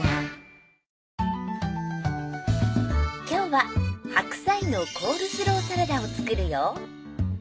今日は白菜のコールスローサラダを作るよ。